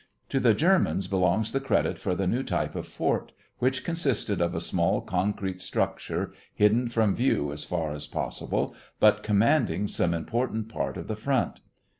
To the Germans belongs the credit for the new type of fort, which consisted of a small concrete structure, hidden from view as far as possible, but commanding some important part of the front.